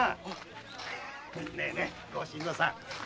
ねえねえご新造さん！